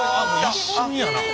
一瞬やな。